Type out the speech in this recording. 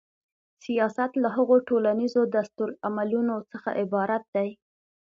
سیاست له هغو ټولیزو دستورالعملونو څخه عبارت دی.